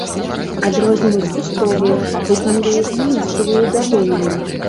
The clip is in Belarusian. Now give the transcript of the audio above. Адрозніваюць кустовыя, клубневыя і лісцевыя бягоніі.